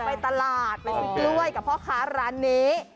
ไปตลาดไปซื้อกล้วยกับพ่อค้าร้านนี้